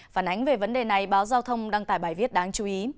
phản ánh về vấn đề này báo giao thông đăng tải bài viết đáng chú ý